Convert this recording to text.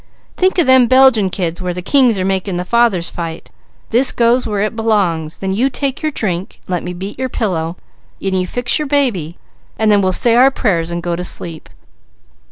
Think of them Belgium kids where the kings are making the fathers fight. This goes where it belongs, then you take your drink, and let me beat your pillow, and you fix your baby, and then we'll say our prayers, and go to sleep."